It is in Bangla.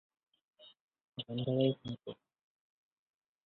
এরপর তিনি কচুয়া থানায় মেয়ের শ্বশুরসহ চারজনকে আসামি করে মামলা করেন।